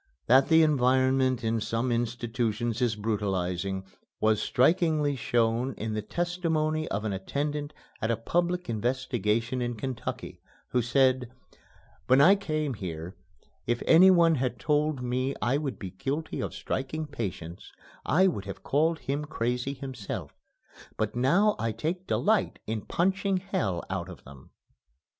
That the environment in some institutions is brutalizing, was strikingly shown in the testimony of an attendant at a public investigation in Kentucky, who said, "When I came here, if anyone had told me I would be guilty of striking patients I would have called him crazy himself, but now I take delight in punching hell out of them."